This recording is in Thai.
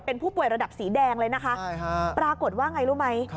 เป็นผู้ป่วยระดับสีแดงเลยนะคะปรากฏว่าไงรู้ไหม